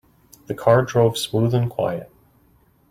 The car drove smooth and quiet.